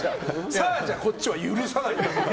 さあじゃこっちは許さないよ。